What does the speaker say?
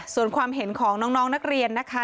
ส่วนความเห็นของน้องนักเรียนนะคะ